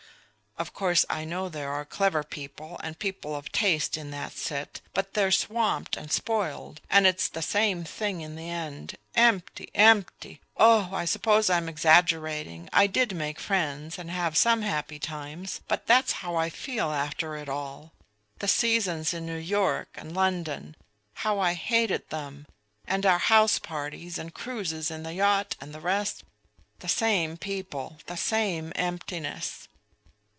Of course I know there are clever people and people of taste in that set, but they're swamped and spoiled, and it's the same thing in the end empty, empty! Oh! I suppose I'm exaggerating, and I did make friends and have some happy times; but that's how I feel after it all. The seasons in New York and London! How I hated them! And our house parties and cruises in the yacht and the rest the same people, the same emptiness!